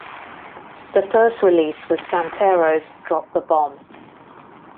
The first release was Santero's "Drop the Bomb".